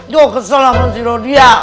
ya kesel sama si rodia